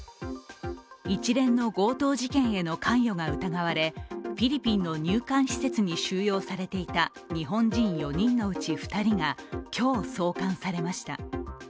一連の強盗事件への関与が疑われフィリピンの入管施設に収容されていた日本人４人のうち２人が今日、送還されました。